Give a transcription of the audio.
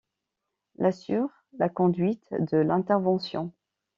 I assure la conduite de l'intervention.